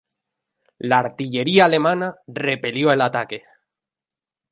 La artillería alemana repelió el ataque.